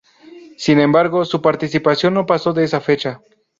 Sin embargo, su participación no pasó de esa fecha.